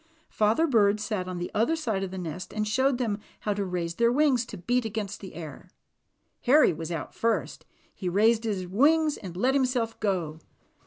Father Bird sat on the other side of the nest and showed them how to raise their wings to beat against the air. Harry was out first; he raised his wings and let himself go.